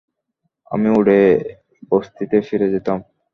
আমি উড়ে বসতিতে ফিরে যেতাম।